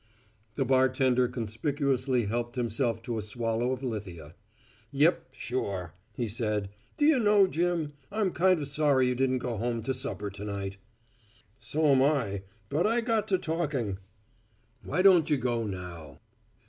The bartender conspicuously helped himself to a swallow of lithia. "Yep, sure," he said. "D'you know, Jim, I'm kind of sorry you didn't go home to supper to night." "So'm I, but I got to talking " "Why don't you go now?"